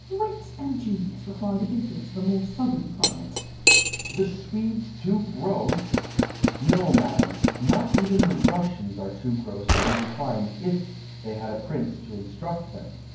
Wit and genius require the influence of a more southern climate. Oxenstiern. The Swedes too gross! No, madam, not even the Russians are too gross to be refined if they had a prince to instruct them.